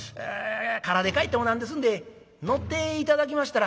空で帰っても何ですんで乗って頂きましたら」。